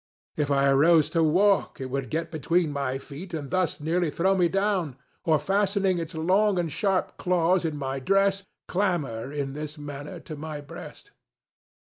If I arose to walk it would get between my feet and thus nearly throw me down, or, fastening its long and sharp claws in my dress, clamber, in this manner, to my breast.